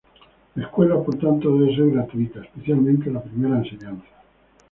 La escuela, por tanto, debe ser gratuita, especialmente la primera enseñanza.